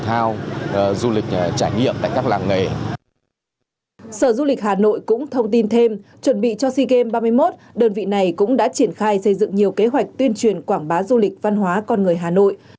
sở du lịch hà nội cũng thông tin thêm chuẩn bị cho sea games ba mươi một đơn vị này cũng đã triển khai xây dựng nhiều kế hoạch tuyên truyền quảng bá du lịch văn hóa con người hà nội